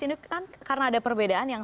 ini kan karena ada perbedaan yang